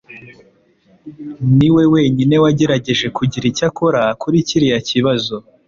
niwe wenyine wagerageje kugira icyo akora kuri kiriya kibazo.